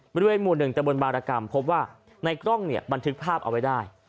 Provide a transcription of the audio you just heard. บริเวณหมู่๑ตะบนบารกรรมพบว่าในกล้องเนี่ยบันทึกภาพเอาไว้ได้